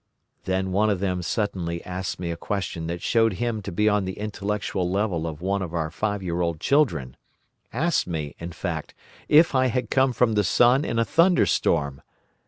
Then one of them suddenly asked me a question that showed him to be on the intellectual level of one of our five year old children—asked me, in fact, if I had come from the sun in a thunderstorm!